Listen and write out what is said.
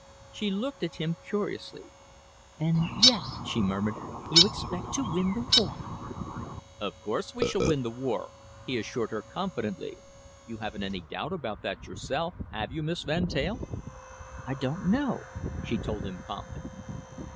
She looked at him curiously. "And yet," she murmured, "you expect to win the war!" "Of course we shall win the war," he assured her confidently. "You haven't any doubt about that yourself, have you, Miss Van Teyl?" "I don't know," she told him calmly.